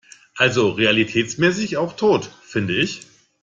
Also realitätsmäßig auch tot - finde ich.